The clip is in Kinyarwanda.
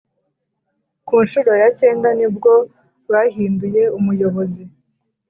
ku ncuro yakenda nibwo bahinduye umuyobozi.